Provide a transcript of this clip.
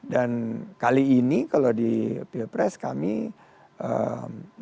dan kali ini kalau di pilpres kami eee